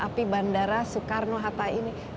api bandara soekarno hatta ini